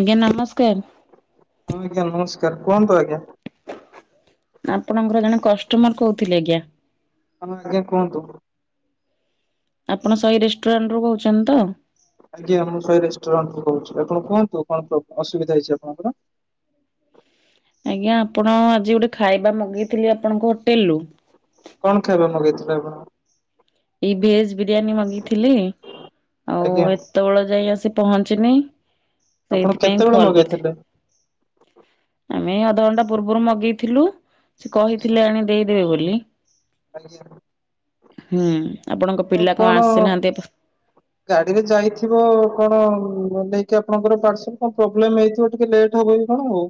ଆଜ୍ଞା ନମସ୍କାର। ହଁ ଆଜ୍ଞା ନମସ୍କାର କୁହନ୍ତୁ ଆଜ୍ଞା। ଆପଣଙ୍କର ଜଣେ କଷ୍ଟମର କହୁଥିଲେ ଆଜ୍ଞା। ହଁ ଆଜ୍ଞା କୁହନ୍ତୁ। ଆପଣ ସହି ରେଷ୍ଟୁରାଣ୍ଟରୁ କହୁଛନ୍ତି ତ? ଆଜ୍ଞା ମୁଁ ସହି ରେଷ୍ଟୁରାଣ୍ଟରୁ କହୁଛି ଆପଣ କୁହନ୍ତୁ କଣ ପ୍ରୋ ଅସୁବିଧା ହେଇଛି ଆପଣଙ୍କର? ଆଜ୍ଞା ଆପଣ ଆଜି ଗୋଟେ ଖାଇବା ମଗେଇଥିଲି ଆପଣଙ୍କ ହୋଟେଲରୁୁ। କଣ ଖାଇବା ମଗେଇଥିଲେ ଆପଣ? ଏଇ ଭେଜ ବିରିୟାନୀ ମଗେଇଥିଲି ଆଉ ଆଜ୍ଞା ଏତେବେଳ ଯାଏଁ ଆସି ପହଞ୍ଚିନି ଆପଣ ସେଇଥିପାଇଁ କେତେବେଳେ ଫଲ୍ ମଗେଇଥିଲେ? କରିଥିଲି ଆମେ ଏ ଅ ଧ ଘଣ୍ଟା ପୂର୍ବରୁ ମଗେଇଥିଲୁ। ସେ ଆଜ୍ଞା କହିଥିଲେ ଆଣି ଦେଇଦେବେ ବୋଲି। ଆଜ୍ଞା ହୁଁ। ଆପଣଙ୍କ ଆଉ ପିଲା କଣ ଆସିନାହାନ୍ତି? ଗାଡିରେ ଯାଇଥିବ କଣ। ହୁଁ ନ ନେଇକି ଆପଣଙ୍କର ପାର୍ସଲ କଣ ପ୍ରୋବ୍ଲେମ ହେଇଥିବ ଟିକେ ଲେଟ୍ ହବ କି କଣ ଆଉ।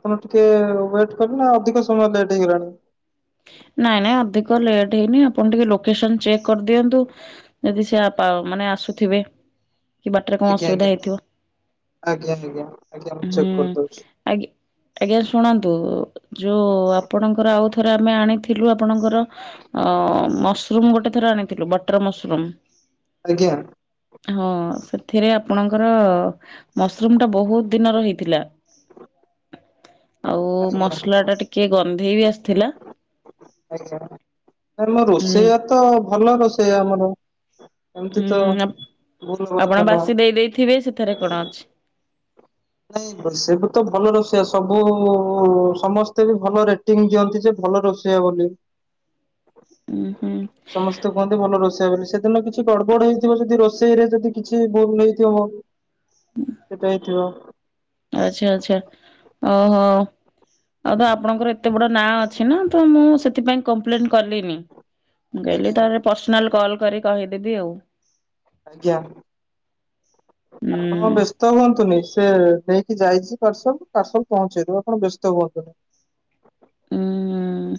ଆପଣ ଟିକେ ୱେଟ କଲେ ଅଧିକ ସମୟ ଲେଟ୍ ହେଇଗଲାଣି। ନାଇଁ ନାଇଁ ଅଧିକ ଲେଟ୍ ହେଇନି ଆପଣ ଟିକେ ଲୋକେସନ୍ ଚେକ୍ କରିଦିଅନ୍ତୁ ଯଦି ସେ ଆ ପାଓ ମାନେ ଆସୁଥିବେ କି ବାଟରେ କଣ ଅସୁବିଧା ହେଇଥିବ। ଜ୍ଞା ଆଜ୍ଞା ଆ ହୁଁ ଆଗି ଆଜ୍ଞା ଶୁଣନ୍ତୁ ଯୋଉ ଆପଣଙ୍କର ଆଉ ଥ ଆମେ ଆଣିଥିଲୁ ଆପଣଙ୍କର ମସରୁମ୍ ଗୋଟେ ଥର ଆଣିଥିଲୁ ବଟର ମସରୁମ୍। ଆଜ୍ଞା। ହଁ ସେଥିରେ ଆପଣଙ୍କର ମସରୁମ୍ ଟା ବୋହୁତ୍ ଦିନର ହେଇଥିଲା। ଆଉ ଆଜ୍ଞା ମସଲାଟା ଟିକେ ଗନ୍ଧେଇ ବି ଆସିଥିଲା। ଆଛା ଆମ ହୁଁ ରୋଷେଇଆ ତ ଭଲ ରୋଷେଇଆ ଆମର। ଏମିତି ହୁଁ ତ ଭୁଲ ଆପ୍ କଥା ଆପଣ ନୁହଁ। ବାସି ଦେଇ ଦେଇଥିବେ ସେଥିରେ କଣ ଅଛି। ନାଇଁ ସେବେ ତ ଭଲ ରଷେଇଆ ସବୁ ସମସ୍ତେ ବି ଭଲ ରେଟିଙ୍ଗ ଦିଅନ୍ତି ଯେ ଭଲ ରୋଷେଇଆ ବୋଲି। [inaudible] ଉୁଁ ହୁଁ ସମସ୍ତେ କୁହନ୍ତି ଭଲ ରୋ ସେଦିନ କିଛି ଗଡ ବଡ ହେଇଥିବ ଯଦି ରୋଷେଇରେ, ଯଦି କିଛି ଭୁଲ ହେଇଥିବ। ସେଟା ହେଇଥିବ। ଆଛା, ଆଛା, ଓହୋ ଆଉ ତ ଆପଣଙ୍କର ଏତେ ବଡ ନାଁ ଅଛି ନା ତ ମୁଁ ସେଥିପାଇଁ କମ୍ପ୍ଲେନ କଲିନି। ମୁଁ ଆଜ୍ଞା କହିଲି ତାପରେ ପର୍ସନାଲ କଲ୍ କରିକି କହିଦେବି ଆଉ ଆଜ୍ଞା, ଆପଣ ବ୍ୟସ୍ତ ହୁଅନ୍ତୁନି, ସେ ନେଇ ଯାଇଛି ପାର୍ସଲ ପାର୍ସଲ ପହଞ୍ଚେଇଦବ ଆପଣ ବ୍ୟସ୍ତ ହୁଅନ୍ତୁନି । ହୁଁ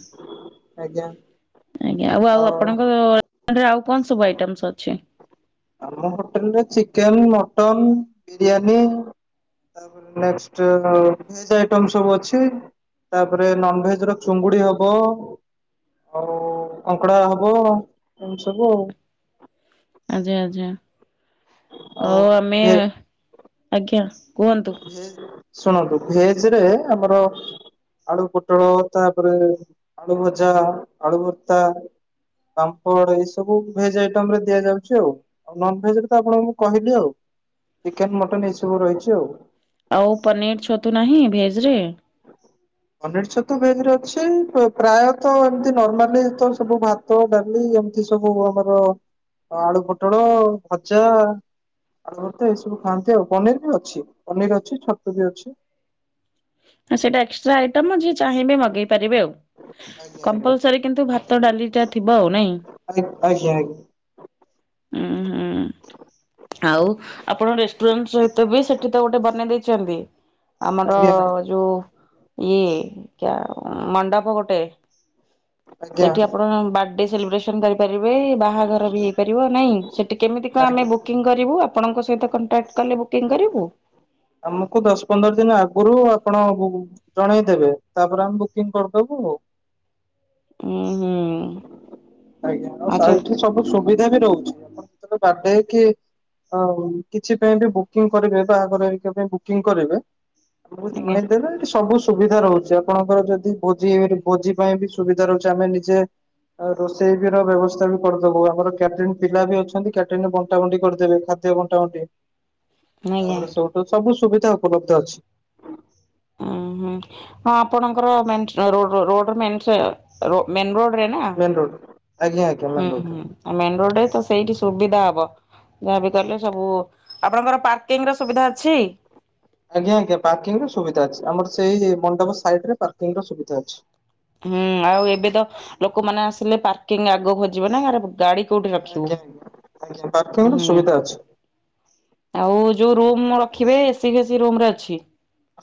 ଆଜ୍ଞା । ଆଜ୍ଞା, ଆଉ ଆଉ ଆପଣଙ୍କ ଆଉ କଣ ସବୁ ଆଇଟମସ୍ ଅଛି। ଆମ ହୋଟେଲରେ ଚିକେନ, ମଟନ, ବିରିୟାନୀ । ତାପରେ ନେକ୍ସଟ ଭେଜ ଆଇଟମ ସବୁ ଅଛି। ତାପରେ, ନନଭେଜ ର ଚୁଙ୍ଗୁଡି ହବ। ଆଉ କଙ୍କଡା ହବ ଏମିତି ସବୁ, ଆଉ ଆଜ୍ଞା, ଆଜ୍ଞା, ଆଉ ଆମେ ଆଜ୍ଞା କୁହନ୍ତୁ ଭେଜ ଶୁଣନ୍ତୁ ଭେଜ ରେ ଆମର ଆଳୁ ପୋଟଳ ତାପରେ ଆଳୁଭଜା, ଆଳୁଭର୍ତ୍ତ। ପାମ୍ପଡ, ଏଇ ସବୁ ଭେଜ ଆଇଟମ ରେ ଦିଆଯାଉଛି, ଆଉ ନନଭେଜରେ ତ ଆପଣଙ୍କୁ ମୁଁ କହିଲି ଆଉ ଚିକେନ, ମଟନ, ଏଇସବୁ ରହିଛି ଆଉ ଆଉ ପନିର ଛତୁ ନାହିଁ ଭେଜରେ ପନିର ଛତୁ ଭେଜରେ ଅଛି ପ୍ରାୟତ ଏମତି ନର୍ମାଲି ତ ସବୁ ଭାତ, ଡାଲି ଏମିତି ଏ ସବୁ ଆମର ଆଳୁ ପୋଟଳ ଭଜା ଆଉ ତ ଏସବୁ ଖାଆନ୍ତି ଆଉ ପନିର ବି ଅଛି ପନିର ଅଛି ଛତୁ ବି ଅଛି । ଆ ସେଟା ଏକ୍ସଟ୍ରା ଆଇଟମ ଚାହିଁବେ ମଗେଇ ପାରିବେ ଆଉ, ଆଜ୍ଞା କମ୍ପଲସରି କିନ୍ତୁ ଭାତ ଡାଲିଟା ଥିବ ଆଉ ନାଇଁ ଆଜ୍ଞା, ଆଜ୍ଞା । ଉଁ ହୁଁ । ଆଉ, ଆପଣ ରେଷ୍ଟୁରାଣ୍ଟ ତ ବି ସେଠି ତ ଗୋଟେ ବନେଇ ଦେଇଛନ୍ତି ଆମର ଆଜ୍ଞା ଯୋଉ ଇଏ ମଣ୍ଡପ ଗୋଟେ ଆଜ୍ଞା ସେଠି ଆପଣ ବାର୍ଥଡେ ସେଲିବ୍ରେସନ କରିପାରିବେ । ବାହାଘର ବି ହେଇପାରିବ ନାଇଁ ସେଠି କେମତି କଣ ଆଜ୍ଞା ଆମେ ବୁକିଙ୍ଗ କରିବୁ, ଆପଣଙ୍କ ସ କଣ୍ଟାକ୍ଟ କଲେ ବୁକିଂ କରିବୁ । ଆମକୁ ଦଶ ପନ୍ଦର ଦିନ ଆଗରୁ ଆପଣ ଜଣେଇଦେବେ, ତାପରେ ଆମେ ବୁକିଂ କରିଦବୁ ଆଉ । ଉଁ ହୁଁ । ଆଜ୍ଞା, ଆଉ ଏଠି ସବୁ ସୁବିଧା ବି ରହୁଛି, ଆପଣ ଯେତେବେଳେ ବଡେ କି ଆଉ କିଛି ପାଇଁ ବି ବୁକିଂ କରିବେ ବା ବାହାଘର ହେ ପାଇଁ ବୁକିଂ କରିବେ ଆମକୁ ଆଜ୍ଞା ଜଣେଇଦେବେ ସବୁ ସୁବିଧା ରହୁଛି, ଆପଣଙ୍କର ଯଦି ଭୋଜି-ଭୋଜି ପାଇଁ ବି ସୁବିଧା ରହୁଛି ଆମେ ନିଜେ ରୋଷେଇ ବି ର ବ୍ୟବସ୍ଥା ବି କରିଦବୁ, ଆମର କ୍ୟାଣ୍ଟିଙ୍ଗ ପିଲା ବି ଅଛନ୍ତି କ୍ୟାଣ୍ଟିନ ବଣ୍ଟା ବଣ୍ଟି କରିଦେବେ ଖାଦ୍ୟ ବଣ୍ଟା ଆଜ୍ଞା ତାପରେ ସବୁଠି ସବୁ ସୁବିଧା ଉପଲବ୍ଧ ଅଛି । ଉଁ ହୁଁ। ହଁ ଆପଣଙ୍କର main - road- road main road ରେ ନା ମେନ ରୋଡ ଆଜ୍ଞା ଆଜ୍ଞା ମେନ ହୁଁ, ରୋଡ ହୁଁ, ମେନ ରୋଡ଼ ରେ ତ ସେଇଠି ସୁବିଧା ହବ । ଯାହାବି କଲେ ସବୁ, ଆପଣଙ୍କର ର ସୁବିଧା ଅଛି? ଆଜ୍ଞା, ଆଜ୍ଞା ପାର୍କିଙ୍ଗ ର ସୁବିଧା ଅଛି ଆମର ସେଇ ମଣ୍ଡପ ସାଇଡ ରେ ପାର୍କିଙ୍ଗ ର ସୁବିଧା ଅଛି । ହୁଁ ଆଉ ଏବେ ତ ଲୋକମାନେ ଗାଡ଼ି କୋଉଠି ରଖିବୁ, ଆଜ୍ଞା ଆଜ୍ଞା ଆଜ୍ଞା ପାର୍କିଂ ର ହୁଁ ସୁବିଧା ଅଛି ଆଉ ଯୋଉ ରୁମ ରଖିବେ ଏସି ଫେସି ରୁମ ରେ ଅଛି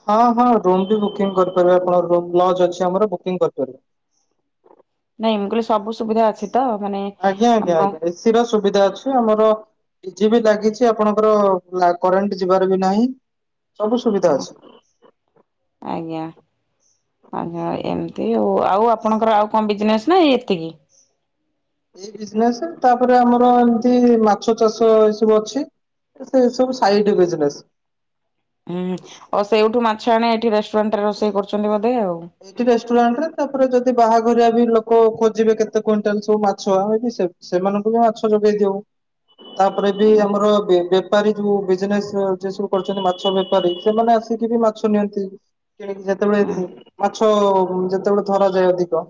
ହଁ ହଁ ରୁମ ବି ବୁକିଂ କରିପାରିବେ ଆପଣ ଲଜ ଅଛି ଆମର ବୁକିଂ କରିପାରିବ । ନାଇଁ ମୁଁ କହିଲେ ସବୁ ସୁବିଧା ଅଛି ତ ମାନେ ଆଜ୍ଞା, ଆଜ୍ଞା, ଆପଣ ଆଜ୍ଞା ଏସି ର ସୁବିଧା ଅଛି ଆମର ଟିଜି ବି ଲାଗିଛି ଆପଣଙ୍କର କରେଣ୍ଟ ଯିବାର ବି ନାହିଁ । ସବୁ ସୁବିଧା ହଁ ଅଛି । ଆଜ୍ଞା। ଆଜ୍ଞା ଏମିତି ଆଉ ଆଉ ଆପଣଙ୍କର ଆଉ କଣ ବିଜନେସ ନାଁ ଏତିକି? ଏ ବିଜନେସ ତାପରେ ଆମର ଏମତି ମାଛ ଚାଷ ଏ ସବୁ ଅଛି । ସେ ସବୁ ସାଇଡ ବିଜନେସ୍ । ହୁଁ ଆ ସେଇଠୁ ମାଛ ଆଣେ ଏଠି ରେଷ୍ଟୁରାଣ୍ଟ ରେ ରୋଷେଇ କରୁଛନ୍ତି ବୋଧେ ଆଉ। ଏଇଠି ରେଷ୍ଟୁରାଣ୍ଟ ରେ ତାପରେ ଯଦି ବାହାଘର ଲୋକ ଖୋଜିବେ କେତେ କୁଇଣ୍ଟାଲ ସବୁ ମାଛ ସେମାନଙ୍କୁ ବି ମାଛ ଯୋଗେଇ ଦଉ । ତାପରେ ବି ହୁଁ ଆମର ବାହାରେ ଯୋଉ ବିଜନେସ ସବୁ କରଛନ୍ତି ମାଛ ବେପାରୀ ସେମାନେ ଆସିକି ବି ମାଛ ନିଅନ୍ତି । କିଣିକି ହୁଁ ଯେତେବେଳେ ମାଛ ଯେତେବେଳେ ଧରା ଯାଏ ଅଧିକ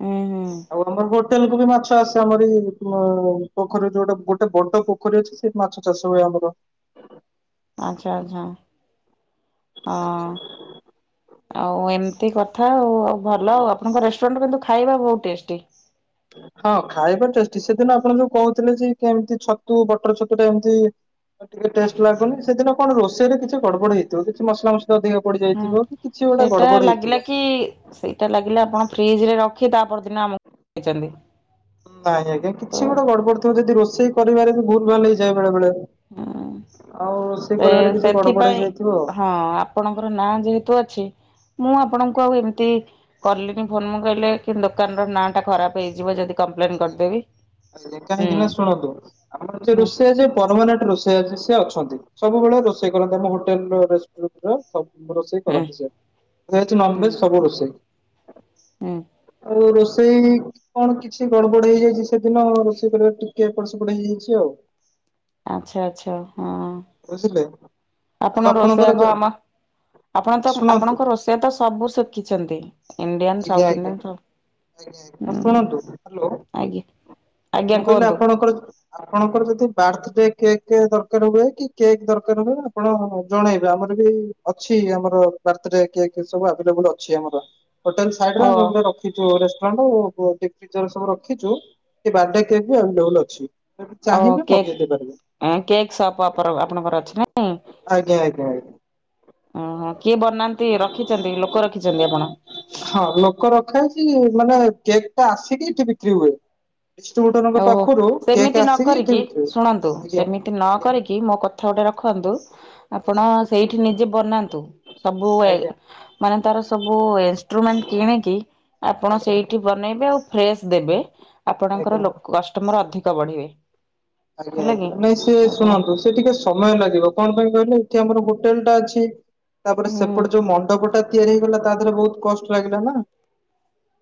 ହୁଁ, ହୁଁ । ଆଉ ଆମର ହୋଟେଲ କୁ ବି ମାଛ ଆସେ ଆମାରି ପୋଖରୀ ଯୋଉଟା ଗୋଟେ ବଡ଼ ପୋଖରୀ ଅଛି ସେଇି ମାଛ ଚାଷ ହୁଏ ଆମ ମୋର [unintelligible] ଆଚ୍ଛା ଆଚ୍ଛା ହଁ। ଆଜ୍ଞା । ଆଉ ଏମିତି କଥା ଆଉ ଭଲ ଆଉ ଆପଣଙ୍କ ରେଷ୍ଟୁରାଣ୍ଟ କିନ୍ତୁ ଖାଇବା ବହୁତ ଟେଷ୍ଟି । ହଁ ଖାଇବା ଟେଷ୍ଟି ସେଦିନ ଆପଣ ଯୋଉ କହୁଥିଲେ ଯେ କେମିତି ଛତୁ ବଟର ଛତୁ ଟା ଏମିତି ଆଉ ଟିକେ ଟେଷ୍ଟ ଲାଗୁନି ସେଦିନ କଣ ରୋଷେଇରେ କିଛି ଗଡ ବଡ଼ ହେଇଥିବ କିଛି ମସଲା ମୁସୁଲି ପଡ଼ି ହୁଁ ଯାଇଥିବ କି ସେଇଟା ଲାଗିଲା ହେଇଥିବ। କି, ସେଇଟା ଲାଗିଲା ଆପଣ ଫ୍ରିଜ ରେ ରଖି ତାପରଦିନ ଆମକୁ ଦେଛନ୍ତି। ନାଇଁ ଆଜ୍ଞା, କିଛି ଗୋଟେ ଗଡବଡ ଥିବ। ଯଦି ରୋଷେଇ କରିବାରେ ବି ଭୁଲ ଭାଲ ହେଇଯାଏ ବେଳେ ବେଳେ। ହଁ। ଆଉ ରୋଷେଇ ତ, କରିବାରେ କିଛି ଗଡବଡ ସେଥିପାଇଁ ହେଇଯାଇଥିବ ଆଉ। ହଁ, ଆପଣଙ୍କର ନାଁ ଯେହେତୁ ଅଛି। ମୁଁ ଆପଣଙ୍କୁ ଆଉ ଏମିତି କଲିନି ଫୋନ। ମୁଁ କହିଲେ କିନ୍ତୁ ଦୋକାନର ନାଁଟା ଖରାପ ହେଇଯିବ ଯଦି କମ୍ପ୍ଲେନ ଆଜ୍ଞା, କରିଦେବି। ଆଜ୍ଞା, ହୁଁ କାହିଁକି ନା ଶୁଣନ୍ତୁ, ଆମର ହୁଁ ରୋଷେଇଆ ଯେ ପରମାନେଣ୍ଟ ରୋଷେଇ ସେ-ସେ ଅଛନ୍ତି। ସବୁବେଳେ ରୋଷେଇ କରନ୍ତି ଆମ ହୋଟେଲ ର ରେଷ୍ଟୁରାଣ୍ଟରେ। ରୋଷେଇ ହୁଁ କରନ୍ତି ସେ। ହୁଁ ନନଭେଜ ସବୁ ରୋଷେଇ। ହୁଁ ଆଉ ରୋଷେଇ କଣ କି? କି ଗଡ଼ବଡ଼ ହେଇଯାଇଛି। ସେଦିନ ରୋଷେଇ କରିବା ଟିକେ ଏପଟ ସେପଟ ହେଇଯାଇଛି ଆଉ। ଆଚ୍ଛା, ଆଚ୍ଛା, ବୁଝିଲେ ହଁ ଆଉ ଆପଣ ଆପଣଙ୍କର ରୋଷେୟା କୁ ଯୋ ଆମ ଆପଣ ତ, ଶୁଣନ୍ତୁ ଆପଣଙ୍କ ରୋଷେୟା ତ ସବୁ ଶିଖିଛନ୍ତି। ଇଡିୟାନ, ଆଜ୍ଞା ସାଉଥ ଆଜ୍ଞା ଇଡିୟାନ [unintelligible] ଶୁଣନ୍ତୁ, ହାଲୋ। ଆଜ୍ଞା ଆଜ୍ଞା ମୁଁ କହିଲି, କୁହନ୍ତୁ। ଆପଣଙ୍କର, ଆପଣଙ୍କର ଯଦି ବାର୍ଥ ଡେ କେକ୍ ଦରକାର ହୁଏ କି? କେକ୍ ଦରକାର ହୁଏ ଆପଣ ଜଣେଇବେ, ଆମର ବି ଅଛି ଆମର ବାର୍ଥଡେ କେକ୍‌ ସବୁ ଆଭେଲେବଲ ଅଛି ଆମର। ହୋଟେଲ ସାଇଡରେ ଓ ଆମେ ଗୋଟେ ରଖିଛୁ ସବୁ ଡିପ୍ ଫ୍ରିଜର ସବୁ ରଖିଛୁ। ବାର୍ଥଡେ କେକ୍‌ ବି ଆଭେଲେବଲ୍‌ ଅଛି। ଯଦି ଓ, ଚାହିଁବେ କେକ୍ ମଗେଇ ଦେଇପାରିବେ -କେକ୍ ସପ ଆପଣଙ୍କର ଅଛି ନାଇଁ। ଆଜ୍ଞା ଆଜ୍ଞା ଆଜ୍ଞା। ଓହୋ, କିଏ ବନାନ୍ତି? ରଖିଛନ୍ତି, ଲୋକ ରଖିଛନ୍ତି ଆପଣ? ହଁ, ଲୋକ ରଖା ହେଇଛି ମାନେ, କେକ୍ ଟା ଆସିକି ଏଠି ବିକ୍ରି ହୁଏ। ଡିଷ୍ଟ୍ରିବ୍ୟୁଟରଙ୍କ ଓହୋ, ପାଖରୁ କେକ୍ ସେମିତି ନ ଆସିକି ଏଠି କରିକି। ବିକ୍ରି ହୁଏ। ଶୁଣନ୍ତୁ, ଆଜ୍ଞା ସେମିତି ନ ଆଜ୍ଞା କରିକି ମୋ କଥା ଗୋଟେ ରଖ। ରଖନ୍ତୁ। ଆଜ୍ଞା ଆପଣ ସେଇଠି ନିଜେ ବନାନ୍ତୁ, ସବୁ ଆଜ୍ଞା ମାନେ ତାର ସବୁ ଇନ୍‌ଷ୍ଟ୍ରୁମେଣ୍ଟ କିଣିକି ଆପଣ ଆଜ୍ଞା ସେଇଠି ବନେଇବେ ଓ ଫ୍ରେଶ୍ ଦେବେ। ଆପଣଙ୍କର ଆଜ୍ଞା। ଆଜ୍ଞା ତମର ଅଧିକ ବଢିବେ। ଆଜ୍ଞା ହେଲା କି ଆ- ନାଇଁ, ସିଏ ଆପଣ ଶୁଣନ୍ତୁ, ସେ ଟିକେ ସମୟ ଲାଗିବ। କଣ ପାଇଁ କହିଲେ? ଏଠି ଆମର ହୋଟେଲ ଟା ଅଛି। ତାପରେ, ହୁଁ ସେପଟେ ଯୋଉ ମଣ୍ଡପଟା ତିଆରି ହେଇଗଲା। ତା ଦେହରେ ବହୁତ କଷ୍ଟ ଲାଗିଲା ନା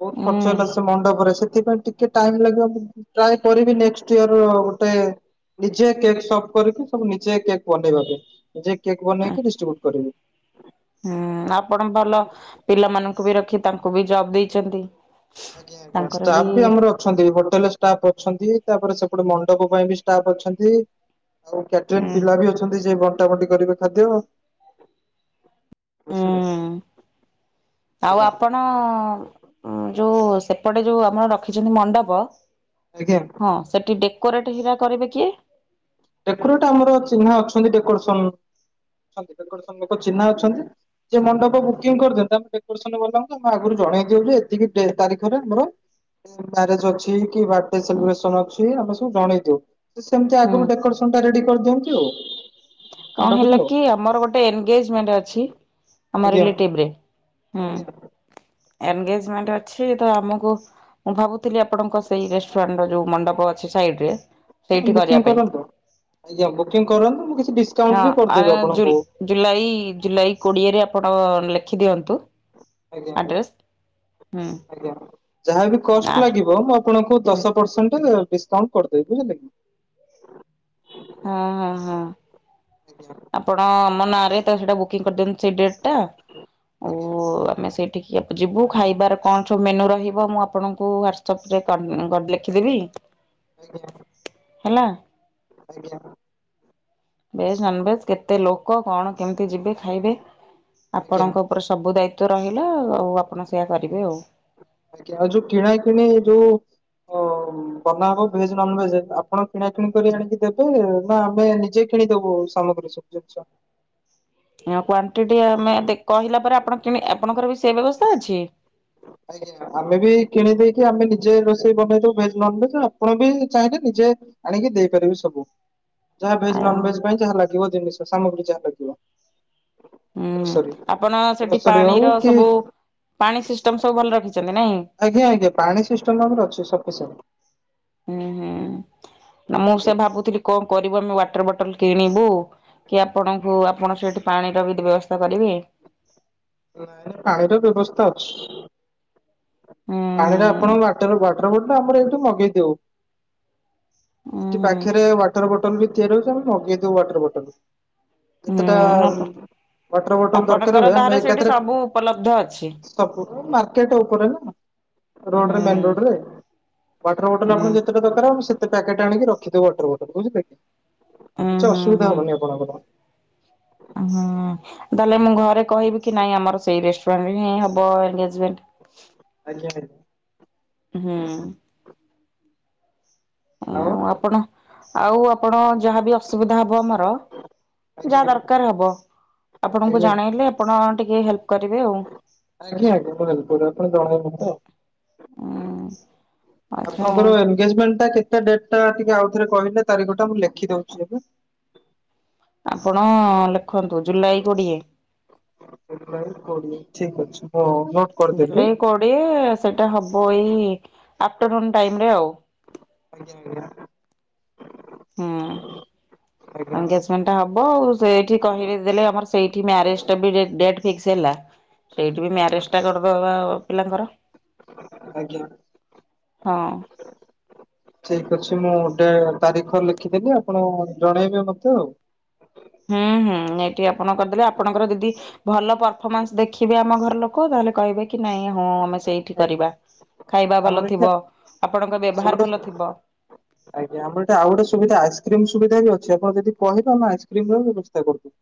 ବହୁତ ହୁଁ ଖର୍ଚ୍ଚ ହେଲା ସେ ମଣ୍ଡପରେ। ସେଥିପାଇଁ ଟିକେ ଟାଇମ୍ ଲାଗିବ। ମୁଁ ଟ୍ରାଏ କରିବି ନେକ୍ସଟ ଇୟର ମୋତେ ନିଜେ କେକ୍ ଶପ୍ କରିକି, ସବୁ ନିଜେ କେକ୍ ବନେଇବା ପାଇଁ। ନିଜେ କେକ୍ ବନେଇକି ଡିଷ୍ଟ୍ରିବ୍ୟୁଟ୍ କରିବି। ହୁଁ, ଆପଣ ଭଲ ପିଲାମାନଙ୍କୁ ବି ରଖି, ତାଙ୍କୁ ବି ଜବ ଦେଇଛନ୍ତି। ଆଜ୍ଞା, ଆଜ୍ଞା ଷ୍ଟାଫ୍‌ ବି ଆମର ଅଛନ୍ତି। ହୋଟେଲରେ ଷ୍ଟାଫ୍‌ ଅଛନ୍ତି। ତାପରେ, ସେପଟେ ମଣ୍ଡପ ପାଇଁ ବି ଷ୍ଟାଫ ଅଛନ୍ତି। ଆଉ, କ୍ୟାଟରିଂ ହୁଁ ପିଲା ବି ଅଛନ୍ତି ଯିଏ ବଣ୍ଟା ବଣ୍ଟି କରିବେ ଖାଦ୍ୟ। ବୁଝିଲେ ହୁଁ ଆଉ ଆଜ୍ଞା। ଆପଣ ଯୋଉ ସେପଟେ, ଯୋଉ ଆମର ରଖିଛନ୍ତି ମଣ୍ଡପ, ଆଜ୍ଞା ହଁ ସେଠି ଡେକୋରେଟ ହେରା କରିବେ କିଏ? ଡେକୋରେଟ ଆମର ଚିହ୍ନା ଅଛନ୍ତି। ଡେକୋରେସନ। ଡେକୋରେସନ ଲୋକ ଚିହ୍ନା ଅଛନ୍ତି, ଯେ ମଣ୍ଡପ ବୁକିଂ କରିଛନ୍ତି। ଡେକୋରେସନବାଲାଙ୍କୁ ଆଗରୁ ଜଣେଇ ଦଉ ଯେ, ଏତିକି ତାରିଖରେ ଆମର ମ୍ୟାରେଜ ଅଛି କି ବା ହୁଁ ସେଲିବ୍ରେସନ ଅଛି। ଆମେ ସବୁ ଜଣେଇ ଦଉ। ସେମିତି ଆଗରୁ ହୁଁ ଡେକୋରେସନ କରିଦଉଚି ଆଉ। କଣ ମଣ୍ଡପରେ ହେଲା ଆଉ କି, ଆମର ଗୋଟେ ଏନଗେଜମେଣ୍ଟ ଅଛି। ଆମର ଆଜ୍ଞା। ରିଲେଟିଭରେ, ହୁଁ, ଆଜ୍ଞା ଏନଗେଜ୍‌ମେଣ୍ଟ ଅଛି। ତ, ଆମକୁ ମୁଁ ଭାବୁଥିଲି, ଆପଣଙ୍କ ସେଇ ରେଷ୍ଟୁରାଣ୍ଟ ର ଯୋଉ ମଣ୍ଡପ ଅଛି ସାଇଡରେ। ହଁ ସେଇଠି କରିବା ବୁକିଂ ପାଇଁ କରନ୍ତୁ। ଆଜ୍ଞା ବୁକିଂ କରନ୍ତୁ। ମୁଁ କିଛି ଡି ହଁ ଆ- ଜୁଲ ଜୁଲାଇ ଜୁଲାଇ କୋଡିଏରେ ଆପଣ ଲେଖି ଦିଅନ୍ତୁ। ଆଜ୍ଞା ଆଜ୍ଞା ଆଡ୍ରେସ ହୁଁ। ଆଜ୍ଞା। ଯାହାବି କଷ୍ଟ ଆଡ୍ ଲାଗିବ। ମୁଁ ଆପଣଙ୍କୁ ହଁ ଦଶ ପରସେଣ୍ଟ ଡିସକାଉଣ୍ଟ କରିଦେବି ବୁଝିଲେ କି? ହଁ ହଁ ହଁ। ଆଜ୍ଞା ଆପଣ ଆମ ନାଁରେ ତ ସେଇଟା ବୁକିଂ କରିଦିଅନ୍ତୁ ସେଇ ଡେଟ ଟା। ଓ ଆଜ୍ଞା ଆମେ ସେଇଠିକି ଯିବୁ ଖାଇବାର କଣ ସବୁ ମେନୁ ରହିବ। ମୁଁ ଆପଣଙ୍କୁ ହ୍ୱାଟ୍ସଅପ ରେ କରି ଲେଖିଦେବି। ଆଜ୍ଞା। ହେଲା। ଆଜ୍ଞା। ଭେଜ ନନ ଭେଜ କେତେ ଲୋକ କଣ କେମିତି ଯିବେ ଖାଇବେ? ଆଜ୍ଞା ଆଜ୍ଞା ଆପଣଙ୍କ ଉପରେ ସବୁ ଦାୟିତ୍ୱ ରହିଲା। ଆଉ ଆପଣ ସେୟା କରିବେ ଆଉ। ଆଜ୍ଞା ଆଉ ଯୋଉ କିଣା କିିଣି ଯୋଉ ଓ ବନା ହବ ଭେଜ ନନ ଭେଜ ଆପଣ କିଣା କିିଣି କରି ଆଣିକି ଦେବେ। ନା ଆମେ ନିଜେ କିଣିଦବୁ ସାମଗ୍ରୀ ସବୁ ଜିନିଷ। କ୍ଵାଣ୍ଟିଟି ଆମେ କ ଅଛି। ଆଜ୍ଞା ଆମେ ବି କିଣି ଦେଇକି ଆମେ ନିଜେ ରୋଷେଇ ବନେଇଦବୁ। ଭେଜ ନନ ଭେଜ ଆପଣ ବି ଚାହିଁଲେ ନିଜେ ଆଣିକି ଦେଇପାରିବେ ସବୁ। ଯାହା ଭେଜ ନନ ଭେଜ ପାଇଁ ଯାହା ଲାଗିବ ଜିନିଷ ସାମଗ୍ରୀ ଯାହା ଲାଗିବ। ହୁଁ ଗ୍ରୋସରୀ ଆପଣ ସେଠି ଗ୍ରୋସରୀ ହଉ ପାଣିର କି ସବୁ ପାଣି ସିଷ୍ଟମ ସବୁ ଭଲ ରଖିଛନ୍ତି ନାଇଁ। ଆଜ୍ଞା ଆଜ୍ଞା ପାଣି ସିଷ୍ଟମ ଆମର ଅଛି ସପିସେଣ୍ଟ। ହୁଁ ହୁଁ ନା ମୁଁ ସେ ଆଜ୍ଞା ଭାବୁଥିଲି କଣ କରିବୁ ଆମେ ୱାଟର ବଟଲ କିଣିବୁ? କି ଆପଣଙ୍କୁ ଆପଣ ସେଠି ପାଣିର ବି ବ୍ୟବସ୍ଥା କରିବେ? ନାଇଁ ପାଣିର ବ୍ୟବସ୍ଥା ଅଛି। ହୁଁ ହୁଁ ପାଣିରେ ଆପଣ ୱାଟର ବ ବଟଲ ଆମର ଏଇଠୁ ମଗେଇଦଉ। ଉଁ ଏଠି ହୁଁ ପାଖେରେ ୱାଟର ବଟ ବଟଲ ତିଆରି ହେଉଛି ମଗେଇଦଉ ୱାଟର ବଟଲ। କେତେଟା ହୁଁ ଆପ ୱାଟର ବଟଲ ଦରକାର ଆପଣଙ୍କର ହୁଏ। ଆମେ ତାହେଲେ ସେଇଠି ଏକାଥରେ ସବୁ ଉପଲବ୍ଧ ଅଛି। ମାର୍କେଟ ଉପରେ ନା? ହୁଁ ରୋଡରେ ମେନ ରୋଡରେ ୱାଟର ବଟଲ ହୁଁ ଆପଣ ଯେତେଟା ଦରକାର ସେତେ ପ୍ୟାକେଟ ଆଣିକି ରଖିଦଉ ୱାଟର ବଟଲ ବୁଝିଲେ? ହୁଁ କିଛି ହୁଁ ଅସୁବିଧା ହୁଁ। ହବନି ଆପଣଙ୍କର। ହୁଁ ତାହେଲେ ମୁଁ ଘରେ କହିବି କି ନାଇଁ ଆମର ସେଇ ରେଷ୍ଟ କାହିଁ ହେବ ଏଙ୍ଗେଜମେଣ୍ଟ। ଆଜ୍ଞା ଆଜ୍ଞା। ହୁଁ। ଉଁ ଆଉ ଆପଣ ଆଉ ଆପଣ ଯାହାବି ଅସୁବିଧା ହବ ଆମର। ଯାହା ଆଜ୍ଞା ଦରକାର ହବ ଆପଣଙ୍କୁ ଆଜ୍ଞା ଜଣେଇଲେ ଆପଣ ଟିକେ ହେଲ୍ପ କରିବେ ଆଉ। ଆଜ୍ଞା ଆଜ୍ଞା ଆପଣ [unintelligible] ଜଣାଇବେ ତ। ହୁଁ ଆଚ୍ଛା ଆପଣଙ୍କର ଏନଗେଜମେଣ୍ଟ ଟା କେତେ ଡେଟ୍ ଟା ଟିକେ ଆଉଥରେ କହିଲେ ତାରିଖ ଟା ମୁଁ ଲେଖି ଦଉଛି ଏବେ? ଆପଣ ଲେଖନ୍ତୁ ଜୁଲାଇ କୋଡିଏ। ଜୁଲାଇ କୋଡିଏ ଠିକ୍ ଅଛି ମୁଁ ନୋଟ୍ କରିଦେଲି ଜୁଲାଇ କୋଡିଏ ସେଇଟା ହବ ଏଇ ଆପଟରନୁନ୍ ଟାଇମରେ ଆଉ। ଆଜ୍ଞା ଆଜ୍ଞା। ହୁଁ। ଆଜ୍ଞା ଆଜ୍ଞା। ଏନଗେଜମେଣ୍ଟ ଟା ହବ ଆଉ। ସେଇଠି କହି ଦେଲେ ଆମର ସେଇଠି ମ୍ୟାରେଜ ଟା ବି ଡେଟ ଫିକ୍ସ ହେଲା ସେଇଠି ବି ଆଜ୍ଞା ମ୍ୟାରେଜ ଟା କରିଦବା ପିଲାଙ୍କର। ଆଜ୍ଞା। ହଁ। ଠିକ ଅଛି ମୁଁ ଗୋଟେ ତାରିଖ ଲେଖିଦେଲିି ଆପଣ ଜଣେଇବେ ମତେ ଆଉ। ହୁଁ ହୁଁ ଏଇଠି ଆପଣ କରିଦେଲେ। ଆପଣଙ୍କର ଯଦି ଭଲ ପରଫମାନ୍ସ ଦେଖିବେ। ଆମ ଘର ଲୋକ ତାହେଲେ କହିବେ କି ନାଇଁ ହଁ ଆମେ ସେଇଠି ଆଜ୍ଞା। କରିବା। ଖାଇବା ଆମର ଭଲ ଏଠି ଥିବ ଆପଣଙ୍କ ଆଉ ବ୍ୟବହାର ଗୋଟେ ଭଲ ଥିବ। ଆଜ୍ଞା ଆମ ଏଇଟ ଆଉ ଗୋଟେ ସୁବଧା ଆଇସ୍କ୍ରି ସୁବଧ ବି ଅଛି ଆପଣ ଯଦି କହିବେ ଆମେ ଆଇସ୍କ୍ରିମ ର ବ୍ୟବସ୍ଥା କରିଦବୁ।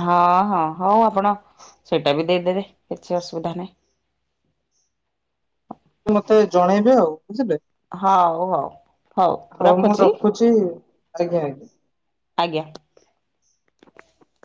ହଁ- ହଁ- ହୋଉ ଆପଣ ସେଇଟା ବି ଦେଇଦେବେ କିଛି ଅସୁବିଧା ନାହିଁ । ମତେ ଜଣେଇବେ ଆଉ । ହଉ ହଉ [unintelligible] ହଉ ମୁଁ ରଖୁଛି ଆଜ୍ଞା ଆଜ୍ଞା । ଆଜ୍ଞା ।